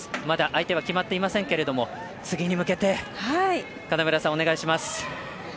まだ相手は決まっていませんけれども次に向けて、金村さんお願いします。